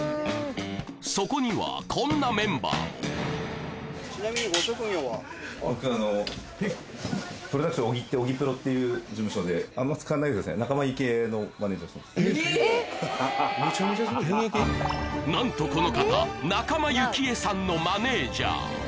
そこにはこんなメンバーもなんとこの方仲間由紀恵さんのマネージャー